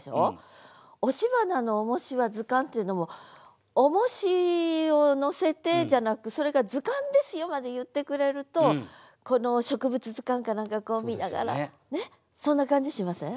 「押し花の重しは図鑑」っていうのも「重しを載せて」じゃなく「それが図鑑ですよ」まで言ってくれるとこの植物図鑑か何かこう見ながらそんな感じしません？